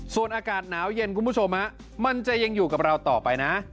ส่วนอากาศหนาวเย็นคุณผู้ชมมันจะยังอยู่กับเราต่อไปนะ